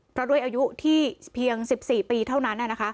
เพราะด้วยอายุที่เพียง๑๔ปีเท่านั้น